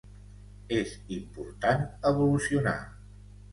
És important evolucionar.